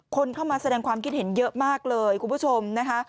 คนเข้ามาแสดงความคิดเห็นเยอะมากเลยคุณผู้ชมนะคะ